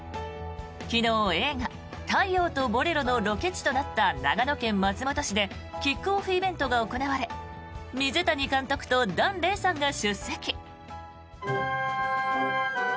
昨日、映画「太陽とボレロ」のロケ地となった長野県松本市でキックオフイベントが行われ水谷監督と檀れいさんが出席。